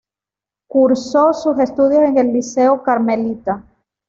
Cursó sus estudios en el Liceo Carmelita.